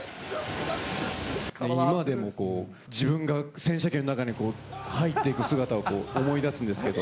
今でも自分が洗車機の中に入っていく姿を思い出すんですけど。